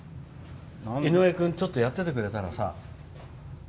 井上君、ちょっとやっててくれたらさ。